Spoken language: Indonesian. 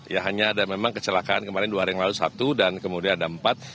ya hanya ada memang kecelakaan kemarin dua hari yang lalu satu dan kemudian ada empat